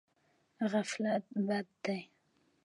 غفلت بد دی.